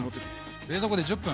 冷蔵庫で１０分。